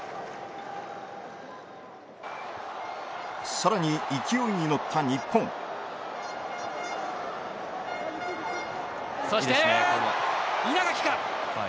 さらに勢いに乗った日本そして稲垣か。